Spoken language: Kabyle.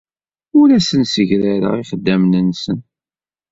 Ur asen-ssegrareɣ ixeddamen-nsen.